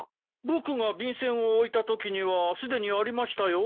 僕が便箋を置いたときにはすでにありましたよ。